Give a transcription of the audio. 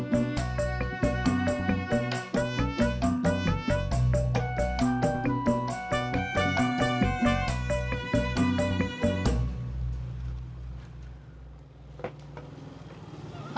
tidak ada nanti orang isi gua ngakur